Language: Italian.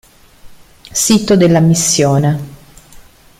Sito della missione